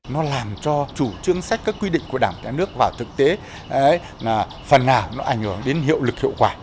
nó làm cho chủ trương sách các quy định của đảng nhà nước vào thực tế là phần nào nó ảnh hưởng đến hiệu lực hiệu quả